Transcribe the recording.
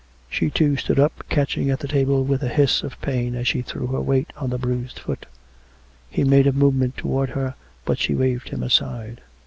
She, too, stood up, catching at the table with a hiss of pain as she threw her weight on the bruised foot. He made a movement towards her; but she waved him aside.